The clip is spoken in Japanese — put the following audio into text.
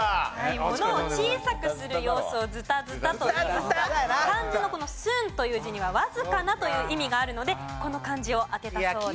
ものを小さくする様子を「ずたずた」といいますが漢字のこの「寸」という字には「わずかな」という意味があるのでこの漢字を当てたそうです。